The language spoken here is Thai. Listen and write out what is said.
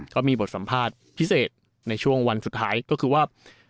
ก็มีบทสัมภาษณ์พิเศษในช่วงวันสุดท้ายก็คือว่า